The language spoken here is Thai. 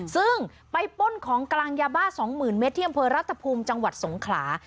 ซึ่งไปป้นของกลางยาบ้า๒๐๐๐เมตรที่อำเภอรัฐภูมิจังหวัดสงขลา